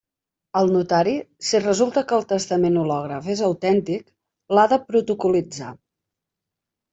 El notari, si resulta que el testament hològraf és autèntic, l'ha de protocol·litzar.